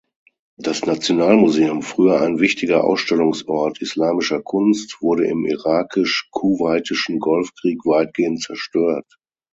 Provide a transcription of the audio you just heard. Das Nationalmuseum, früher ein wichtiger Ausstellungsort islamischer Kunst, wurde im irakisch-kuwaitischen Golfkrieg weitgehend zerstört.